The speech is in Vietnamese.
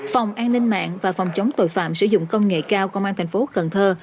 phòng an ninh mạng và phòng chống tội phạm sử dụng công nghệ cao công an tp quần thơ